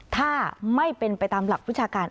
ถ้าไม่เป็นไปตามหลักวิชาการ